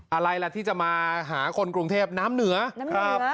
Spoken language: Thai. อะไรล่ะที่จะมาหาคนกรุงเทพน้ำเหนือน้ำครับ